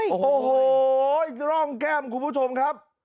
โอ้โหร่องแก้มคุณผู้ชมครับ